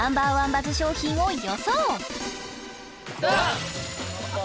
バズ商品を予想